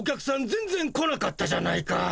全ぜん来なかったじゃないか。